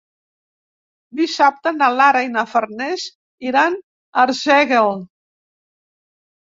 Dissabte na Lara i na Farners iran a Arsèguel.